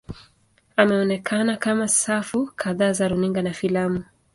Ameonekana katika safu kadhaa za runinga na filamu.